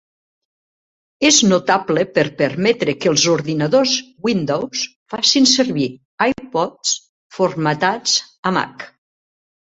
És notable per permetre que els ordinadors Windows facin servir iPods formatats a Mac.